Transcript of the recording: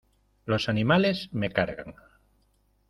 Los animales me cargan.